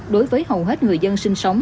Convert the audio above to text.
đối với hầu hết người dân sinh sống